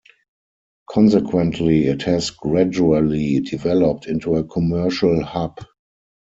Consequently, it has gradually developed into a commercial hub.